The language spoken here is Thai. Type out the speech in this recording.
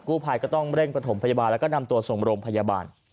ภายก็ต้องเร่งประถมพยาบาลแล้วก็นำตัวส่งโรงพยาบาล